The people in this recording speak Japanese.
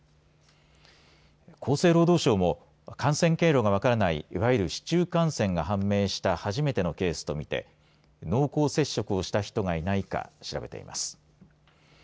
厚生労働省も感染経路が分からない、いわゆる市中感染が判明した初めてのケースと見て濃厚接触をした人がいないか調べています。